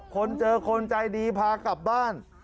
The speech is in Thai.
คนเจอคนใจดีพากลับบ้าน